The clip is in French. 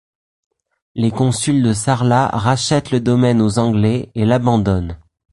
Les consuls de Sarlat rachètent le domaine aux Anglais et l'abandonnent.